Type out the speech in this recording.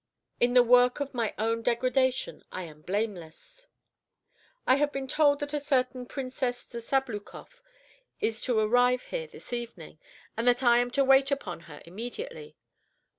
In the work of my own degradation I am blameless! I have just been told that a certain Princess de Sabloukoff is to arrive here this evening, and that I am to wait upon her immediately.